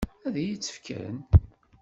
Ad iyi-tt-fken?